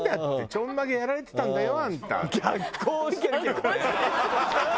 「ちょんまげやられてたんだよあんた」って。